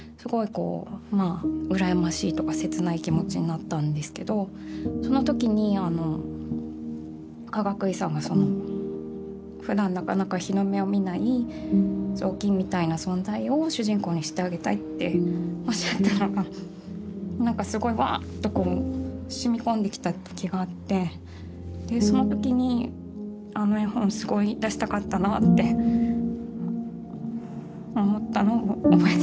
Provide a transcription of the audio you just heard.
こうまあ羨ましいとか切ない気持ちになったんですけどその時にかがくいさんがふだんなかなか日の目を見ないぞうきんみたいな存在を主人公にしてあげたいっておっしゃったのが何かすごいわっとこうしみ込んできた時があってでその時にあの絵本すごい出したかったなあって思ったのを覚えてます。